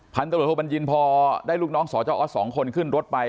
พันตรวจโทบัญญินพอได้ลูกน้องสจออส๒คนขึ้นรถไป